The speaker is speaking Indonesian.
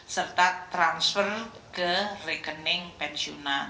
serta transfer ke rekening pensiunan